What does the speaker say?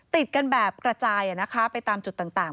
ติดกันแบบกระจายไปตามจุดต่าง